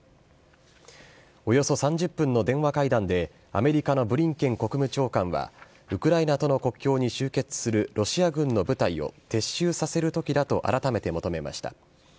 およそ３０分の電話会談で、アメリカのブリンケン国務長官は、ウクライナとの国境に集結するロシア軍の部隊を撤収させるときだと改めて求めました。